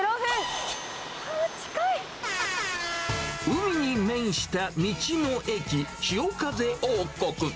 海に面した道の駅、潮風王国。